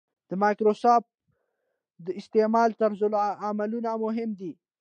د مایکروسکوپ د استعمال طرزالعملونه مهم دي.